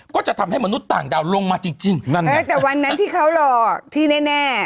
ก็จะทำให้มนุษย์ต่างดาวลงมาจริงนั่นเออแต่วันนั้นที่เขารอที่แน่